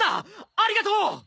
ありがとう！